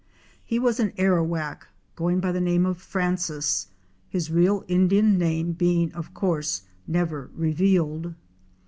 He was an Arrawak, going by the name of Francis, his real Indian name being of course never revealed.